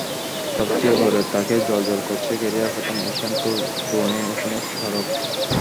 সবচেয়ে ওপরের তাকে জ্বলজ্বল করছে ক্যারিয়ারের প্রথম এশিয়ান ট্যুর ব্রুনেই ওপেনের স্মারক।